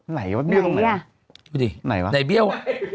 ไหนวะเบี้ยว